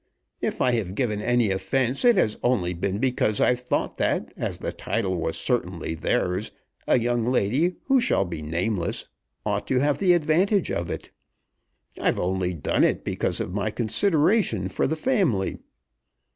If I have given any offence it has only been because I've thought that as the title was certainly theirs, a young lady who shall be nameless ought to have the advantage of it. I've only done it because of my consideration for the family."